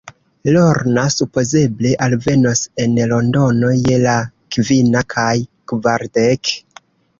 Lorna supozeble alvenos en Londono je la kvina kaj kvardek.